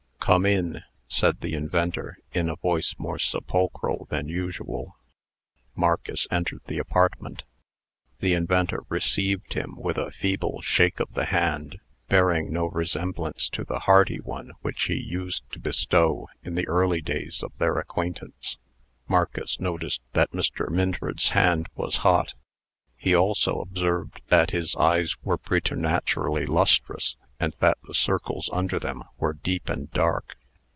"Come in," said the inventor, in a voice more sepulchral than usual. Marcus entered the apartment. The inventor received him with a feeble shake of the hand, bearing no resemblance to the hearty one which he used to bestow in the early days of their acquaintance. Marcus noticed that Mr. Minford's hand was hot. He also observed that his eyes were preternaturally lustrous, and that the circles under them were deep and dark.